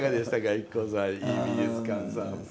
ＩＫＫＯさん井伊美術館さん。